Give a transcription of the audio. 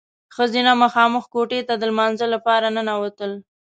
ښځینه مخامخ کوټې ته د لمانځه لپاره ننوتل.